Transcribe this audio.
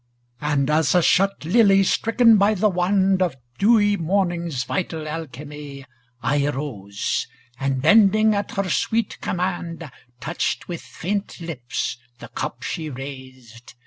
400 And, as a shut lily stricken by the wand Of dewy morning's vital alchemy, * I rose ; and, bending at her sweet com mand, Touched with faint lip? the cup she raised.